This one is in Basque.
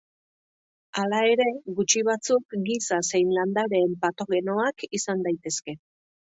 Hala ere, gutxi batzuk giza zein landareen patogenoak izan daitezke.